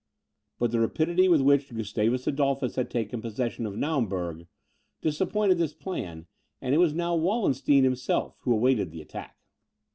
But the rapidity with which Gustavus Adolphus had taken possession of Naumburg, disappointed this plan, and it was now Wallenstein himself who awaited the attack.